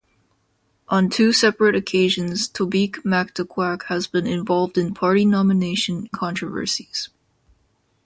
On two separate occasions Tobique-Mactaquac has been involved in party nomination controversies.